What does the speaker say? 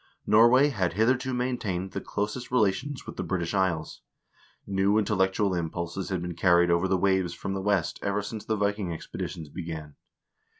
Norway had hitherto maintained the closest rela tions with the British Isles. New intellectual impulses had been carried over the waves from the West ever since the Viking expedi tions began.